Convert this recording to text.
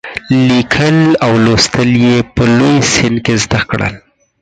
لیکل او لوستل یې په لوی سن کې زده کړل.